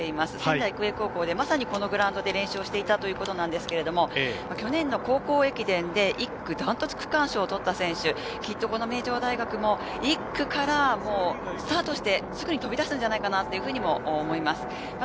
仙台育英高校で、このグラウンドで練習していたということですが、去年の高校駅伝で１区ダントツ区間賞を取った選手、きっと、この名城大学も１区からスタートしてすぐに飛び出すんじゃないかなと思います。